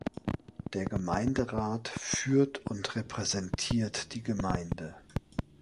Der Gemeinderat führt und repräsentiert die Gemeinde.